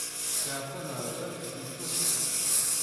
Sɛiɣ tanerdabt yettwasseḥman.